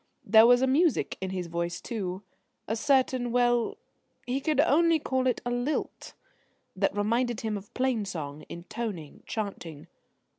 There was a music in his voice too a certain well, he could only call it lilt, that reminded him of plainsong, intoning, chanting.